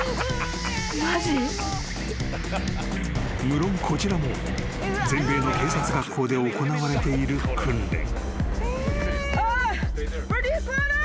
［むろんこちらも全米の警察学校で行われている訓練］